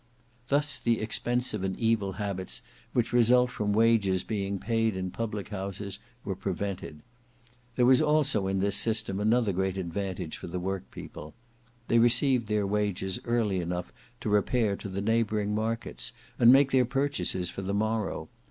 Thus the expensive and evil habits which result from wages being paid in public houses were prevented. There was also in this system another great advantage for the workpeople. They received their wages early enough to repair to the neighbouring markets and make their purchases for the morrow.